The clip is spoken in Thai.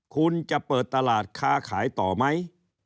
คุณจะเปิดตลาดค้าขายต่อไหม